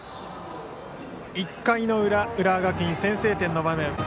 １回の裏、浦和学院先制点の場面。